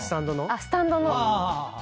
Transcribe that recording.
あっスタンドの。